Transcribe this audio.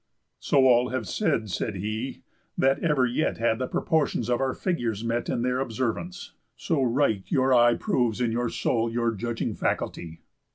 "So all have said," said he, "that ever yet Had the proportions of our figures met In their observance; so right your eye Proves in your soul your judging faculty."